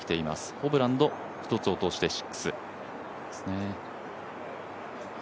ホブランドが１つ落として６。